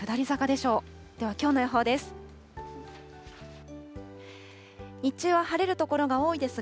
ではきょうの予報です。